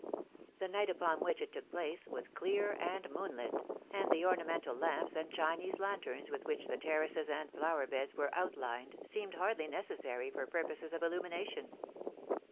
The night upon which it took place was clear and moonlit, and the ornamental lamps and Chinese lanterns with which the terraces and flower beds were outlined seemed hardly necessary for purposes of illumination.